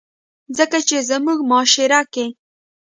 ځکه چې زمونږ معاشره کښې